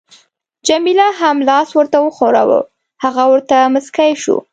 جميله هم لاس ورته وښوراوه، هغه ورته مسکی شو.